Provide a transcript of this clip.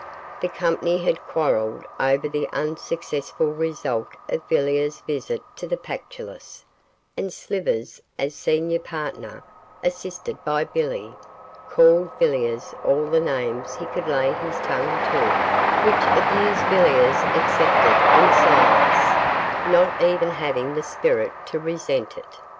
The company had quarrelled over the unsuccessful result of Villiers' visit to the Pactolus, and Slivers, as senior partner, assisted by Billy, called Villiers all the names he could lay his tongue to, which abuse Villiers accepted in silence, not even having the spirit to resent it.